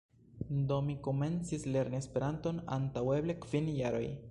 Do mi komencis lerni Esperanton antaŭ eble kvin jaroj.